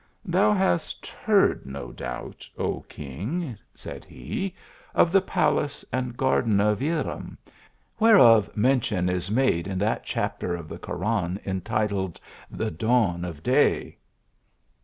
"Thou hast heard, no doubt, O king," said he, " of the palace and garden of Irem, whereof mention is made in that chapter of the Koran entitled the dawn of day.